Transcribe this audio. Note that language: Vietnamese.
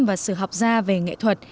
và sự học gia về nghệ thuật